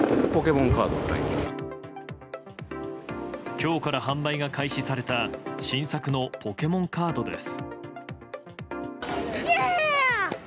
今日から販売が開始された新作のポケモンカードです。